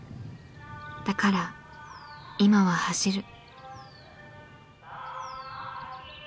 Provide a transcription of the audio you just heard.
だから今は走る。